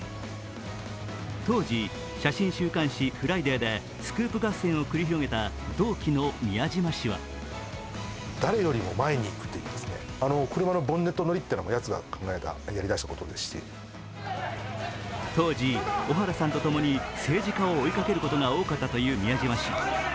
当時、写真週刊誌「ＦＲＩＤＡＹ」でスクープ合戦を繰り広げた宮嶋氏は当時、小原さんと共に政治家を追いかけることが多かったという宮嶋氏。